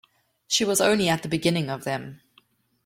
She was only at the beginning of them.